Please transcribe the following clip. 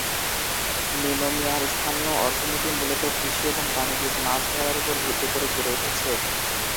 নিনোমিয়ার স্থানীয় অর্থনীতি মূলত কৃষি এবং বাণিজ্যিক মাছ ধরার উপর ভিত্তি করে গড়ে উঠেছে।